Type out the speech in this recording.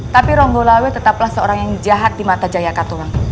tapi ronggolawe tetaplah seorang yang jahat di mata jaya katulang